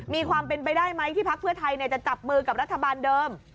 มีความเป็นไปได้ไหมที่พักเพื่อไทยจะจับมือกับรัฐบาลเดิม